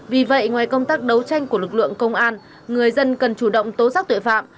vì vậy ngoài công tác đấu tranh của lực lượng công an người dân cần chủ động tố giác tội phạm